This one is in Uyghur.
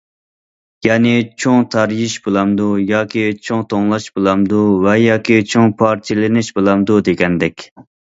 يەنى‹‹ چوڭ تارىيىش›› بولامدۇ ياكى‹‹ چوڭ توڭلاش›› بولامدۇ ۋە ياكى‹‹ چوڭ پارچىلىنىش›› بولامدۇ، دېگەندەك.